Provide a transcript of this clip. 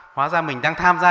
hóa ra mình đang tham gia